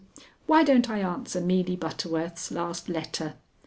why don't I answer Meeley Butterworth's last letter?